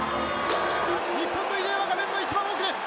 日本の入江は画面の一番奥です。